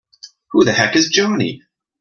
Who the heck is Johnny?!